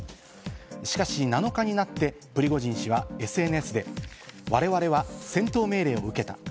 しかし７日になって、プリゴジン氏はＳＮＳで我々は戦闘命令を受けた。